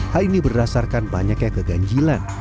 hal ini berdasarkan banyaknya keganjilan